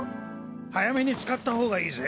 早めに使った方がいいぜ。